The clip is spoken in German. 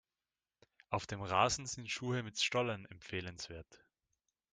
Auf dem Rasen sind Schuhe mit Stollen empfehlenswert.